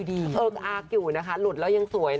อึกออกอยู่นะครับหลุดแล้วยังสวย